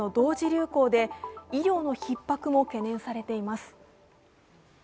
流行で医療のひっ迫も懸念されています。